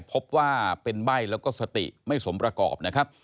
พบว่าเป็นใบ้แล้วก็สติไม่สมประกอบนะครับ